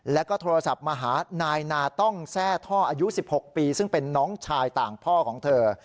แล้วก็โทรศัพท์มาหานายนาต้องแทร่ท่ออายุ๑๖ปีซึ่งเป็นน้องชายต่างพ่อของเธอ